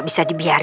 aku bersuhdi gerak